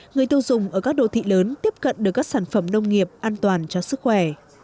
người tiêu dùng ở các đô thị lớn tiếp cận được các sản phẩm nông nghiệp an toàn cho sức khỏe